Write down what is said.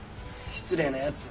失礼なやつ。